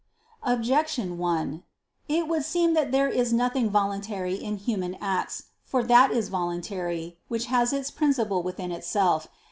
Objection 1: It would seem that there is nothing voluntary in human acts. For that is voluntary "which has its principle within itself."